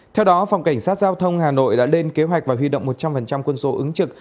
theo đó phòng cảnh sát giao thông hà nội đã lên kế hoạch và huy động một trăm linh quân số ứng trực